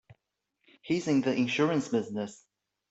He's in the insurance business.